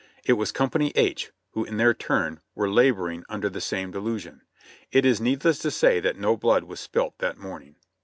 It was Company H, who, in their turn, were laboring under the same delusion. It is needless to say that no blood was spilt that morning.